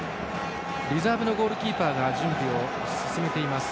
リザーブのゴールキーパーが準備を進めています。